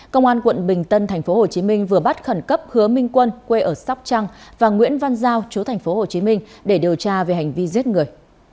công an quận bình tân tp hcm vừa bắt khẩn cấp hứa minh quân quê ở sóc trăng và nguyễn văn giao chú tp hcm để điều tra về hành vi giết người